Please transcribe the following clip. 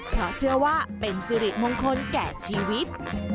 เพราะเชื่อว่าเป็นสิริมงคลแก่ชีวิต